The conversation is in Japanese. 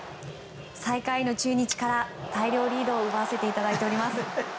最下位の中日から大量リードを奪わせていただいています。